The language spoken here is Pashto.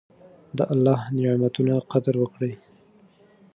د الله نعمتونو قدر وکړئ.